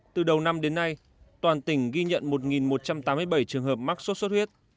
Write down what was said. từ đầu năm đến nay toàn tỉnh ghi nhận một một trăm tám mươi bảy trường hợp mắc sốt xuất huyết